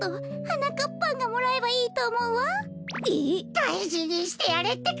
だいじにしてやれってか！